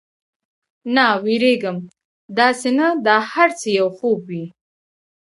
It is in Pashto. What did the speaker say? نه، وېرېږم، داسې نه دا هر څه یو خوب وي.